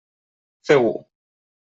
Feu-ho.